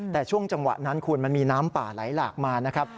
แต่ช่วงจังหวะนั้นคุณมันมีน้ำป่าไหลหลากมานะครับ